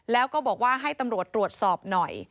แล้วก็บอกว่าให้ตำรวจตรวจสอบหน่อย